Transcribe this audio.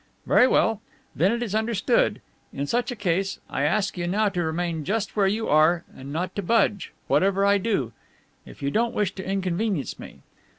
"Very well. Then that is understood. In such a case, I ask you now to remain just where you are and not to budge, whatever I do, if you don't wish to inconvenience me.